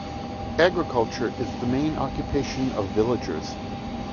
Agriculture is the main occupation of villagers.